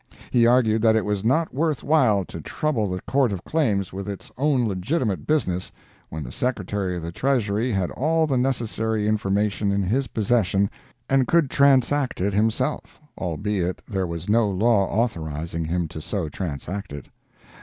He argued that it was not worthwhile to trouble the Court of Claims with its own legitimate business, when the Secretary of the Treasury had all the necessary information in his possession and could transact it himself—albeit there was no law authorizing him to so transact it!